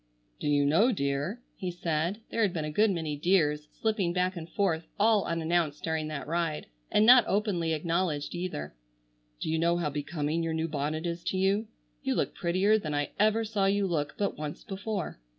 "Do you know, dear," he said,—there had been a good many "dear's" slipping back and forth all unannounced during that ride, and not openly acknowledged either. "Do you know how becoming your new bonnet is to you? You look prettier than I ever saw you look but once before."